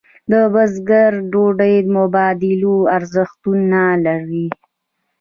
د بزګر ډوډۍ مبادلوي ارزښت نه لري.